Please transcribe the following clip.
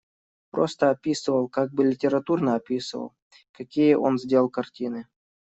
Просто описывал, как бы литературно описывал, какие он сделает картины.